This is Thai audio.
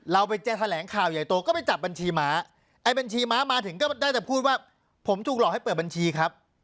เราจะแถลงข่าวใหญ่โตก็ไปจับบัญชีม้าไอ้บัญชีม้ามาถึงก็ได้แต่พูดว่าผมถูกหลอกให้เปิดบัญชีครับ